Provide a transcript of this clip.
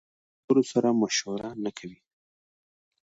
له نورو سره مشوره نکوي.